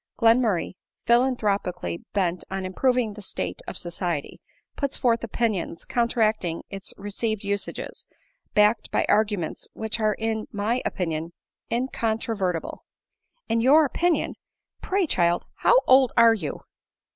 Glenmurray, philanthro pically bent on improving the state of society, puts forth opinions counteracting its received usuges, backed by ar guments which are in my opinion incontrovertible." " In your opinion ! Pray, child, how old are you